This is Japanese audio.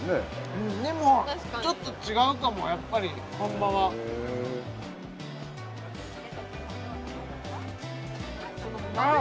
うんでもちょっと違うかもやっぱり本場はあっ！